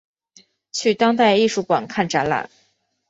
去当代艺术馆看展览